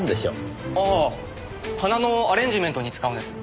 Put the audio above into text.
ああ花のアレンジメントに使うんです。